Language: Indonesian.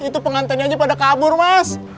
itu pengantennya aja pada kabur mas